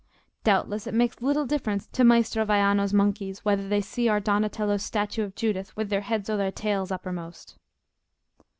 Doubtless it makes little difference to Maestro Vaiano's monkeys whether they see our Donatello's statue of Judith with their heads or their tails uppermost."